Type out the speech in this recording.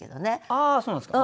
ああそうなんですか。